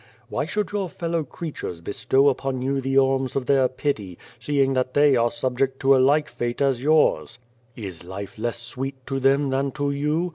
" Why should your fellow creatures bestow upon you the alms of their pity, seeing that they are subject to a like fate to yours ? Is life less sweet to them than to you?